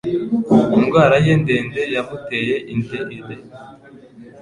Indwara ye ndende yamuteye ideni